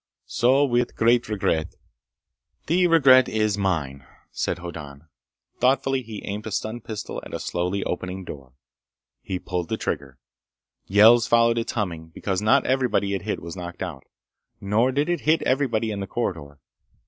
So with great regret—" "The regret is mine," said Hoddan. Thoughtfully, he aimed a stun pistol at a slowly opening door. He pulled the trigger. Yells followed its humming, because not everybody it hit was knocked out. Nor did it hit everybody in the corridor.